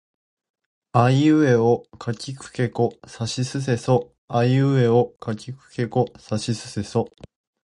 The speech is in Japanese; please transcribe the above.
あいうえおかきくけこさしすせそあいうえおかきくけこさしすせそ